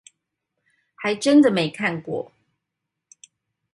還真的沒看過